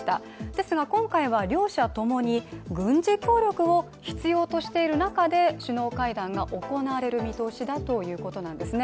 ですが今回は両者ともに軍事協力を必要としている中で首脳会談が行われる見通しだということなんですね。